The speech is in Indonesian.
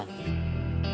nanti kita cari